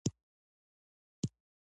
دا اسانه کار نه دی.